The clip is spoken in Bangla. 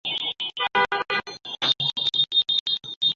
তিনি তার সেরা খেলা খেলেছিলেন।